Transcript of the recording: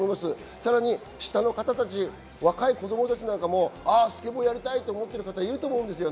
さらに下の方たち、若い子供たちもスケボーやりたいと思っている方、いると思います。